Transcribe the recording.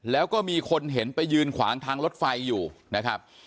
แล้วก็มีคนเห็นไปยืนขวางทางรถไฟอยู่นะครับ